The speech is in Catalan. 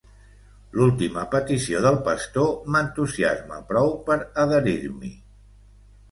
L'última petició del pastor m'entusiasma prou per adherir-m'hi.